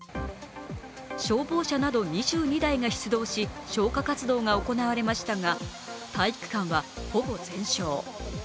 消防車など２２台が出動し消火活動が行われましたが体育館はほぼ全焼。